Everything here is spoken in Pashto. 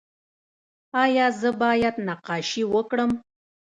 ایا زه باید نقاشي وکړم؟